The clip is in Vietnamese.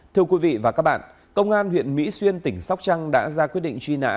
thưa quý vị và các bạn công an huyện mỹ xuyên tỉnh sóc trăng đã ra quyết định truy nã